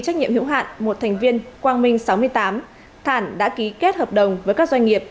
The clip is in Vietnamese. trách nhiệm hữu hạn một thành viên quang minh sáu mươi tám thản đã ký kết hợp đồng với các doanh nghiệp